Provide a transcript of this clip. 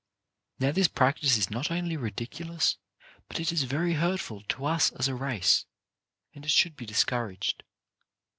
Now this practice is not only ridicu lous, but it is very hurtful to us as a race, and it should be discouraged.